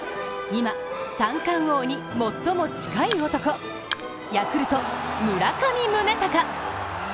今、三冠王に最も近い男ヤクルト・村上宗隆！